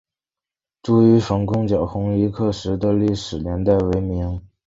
朱一冯攻剿红夷刻石的历史年代为明。